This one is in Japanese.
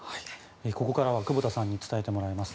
ここからは久保田さんに伝えてもらいます。